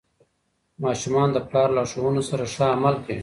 ماشومان د پلار لارښوونو سره ښه عمل کوي.